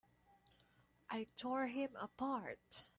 I tore him apart!